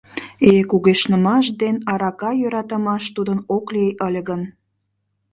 Э, кугешнымаш ден арака йӧратымаш тудын ок лий ыле гын!